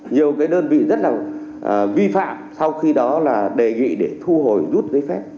nhiều cái đơn vị rất là vi phạm sau khi đó là đề nghị để thu hồi rút giấy phép